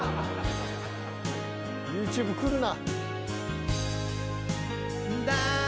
ＹｏｕＴｕｂｅくるな！